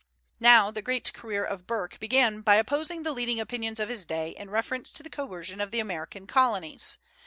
Now, the great career of Burke began by opposing the leading opinions of his day in reference to the coercion of the American colonies.